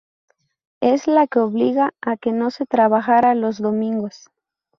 Es la que obliga a que no se trabajara los domingos.